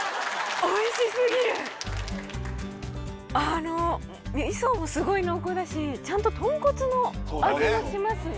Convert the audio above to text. あの味噌もスゴイ濃厚だしちゃんと豚骨の味もしますね